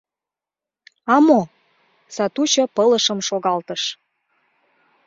— А мо? — сатучо пылышым шогалтыш.